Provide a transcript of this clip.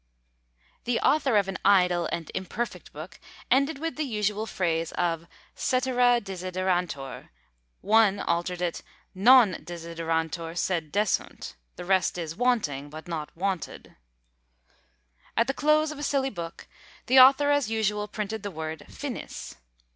The author of an idle and imperfect book ended with the usual phrase of cetera desiderantur, one altered it, Non desiderantur sed desunt; "The rest is wanting, but not wanted." At the close of a silly book, the author as usual printed the word FINIS.